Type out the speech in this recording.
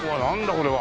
これは。